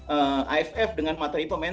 aff dengan materi pemain